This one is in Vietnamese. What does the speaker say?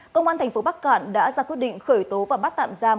công an tp bắc cạn đã ra quyết định khởi tố và bắt tạm giam